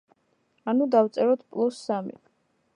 ანუ, დავწეროთ პლუს სამი.